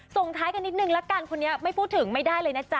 ส่งท้ายกันนิดนึงละกันคนนี้ไม่พูดถึงไม่ได้เลยนะจ๊